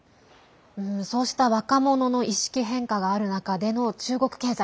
そうした若者の意識変化がある中での中国経済。